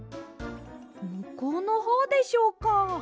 むこうのほうでしょうか？